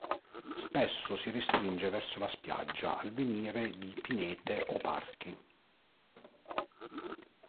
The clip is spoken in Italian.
Spesso si restringe verso la spiaggia, al venire di pinete o parchi.